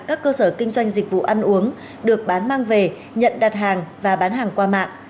các cơ sở kinh doanh dịch vụ ăn uống được bán mang về nhận đặt hàng và bán hàng qua mạng